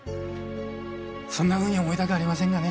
そんなふうに思いたくはありませんがね。